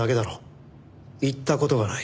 行った事がない。